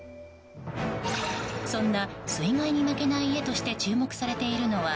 そんな水害に負けない家として注目されているのは